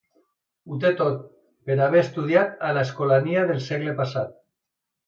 Ho té tot, per haver estudiat a l'Escolania el segle passat.